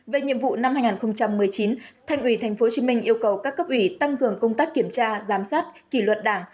về nhiệm vụ năm hai nghìn một mươi chín thành ủy tp hcm yêu cầu các cấp ủy tăng cường công tác kiểm tra giám sát kỷ luật đảng